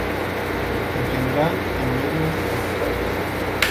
En general en medios alterados.